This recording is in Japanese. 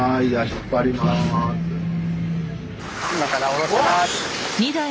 今からおろします。